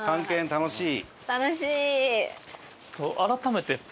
楽しい！